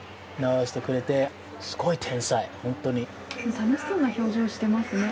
楽しそうな表情をしていますね。